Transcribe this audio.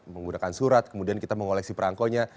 menggunakan surat kemudian kita mengoleksi perangkonya